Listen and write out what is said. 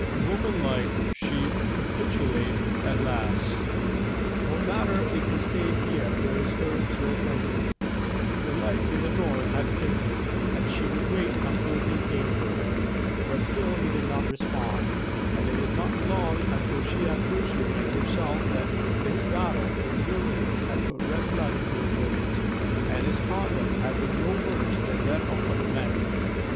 Womanlike, she capitulated at last. What matter if he stayed here where his hopes were centred? This life in the North had claimed him, and she would wait until he came for her. But still he did not respond, and it was not long until she had persuaded herself that his battle with the wilderness had put red blood into his veins, and his conduct had been no worse than that of other men.